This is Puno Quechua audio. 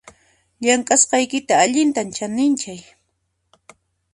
Llamk'asqaykita allintam chaninchay